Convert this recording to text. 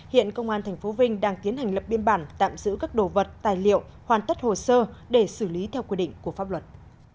hiện công an tp vinh đang tiến hành lập biên bản tạm giữ các đồ vật tài liệu hoàn tất hồ sơ để xử lý theo quy định của pháp luật